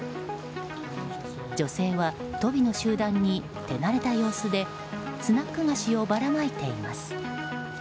女性はトビの集団に手慣れた様子でスナック菓子をばらまいています。